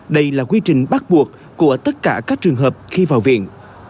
đây là quy trình bắt buộc của tất cả các trường hợp khi vào viện